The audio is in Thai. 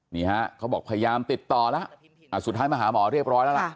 เขาบอกพยายามติดต่อแล้วสุดท้ายมาหาหมอเรียบร้อยแล้วล่ะ